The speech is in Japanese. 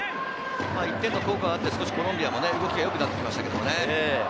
１点の効果があって、コロンビアも少し動きがよくなってきましたね。